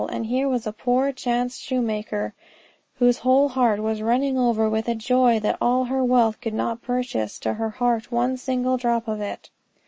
And here was a poor chance shoemaker whose whole heart was running over with a joy such that all her wealth could not purchase to her heart one single drop of it.